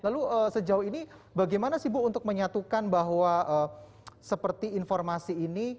lalu sejauh ini bagaimana sih bu untuk menyatukan bahwa seperti informasi ini